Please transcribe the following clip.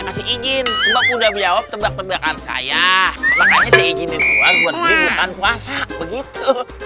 masih ingin udah biawap tebak tebakan saya makanya saya izin itu akuan bukan puasa begitu